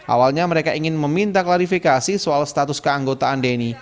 awalnya mereka ingin meminta klarifikasi soal status keanggotaan denny